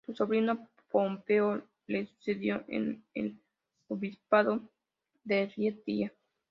Su sobrino Pompeo le sucedió en el obispado de Rieti.